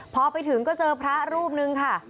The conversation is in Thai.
พอไปถึงก็เจอพระรูปนึงค่ะ